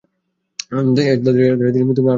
তাছাড়া তিনি আরও অনেক সংগীত পুরস্কারে ভূষিত হন।